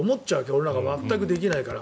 俺なんか全くできないから。